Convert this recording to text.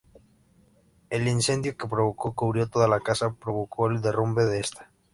El incendio, que pronto cubrió toda la Casa, provocó el derrumbe de esta.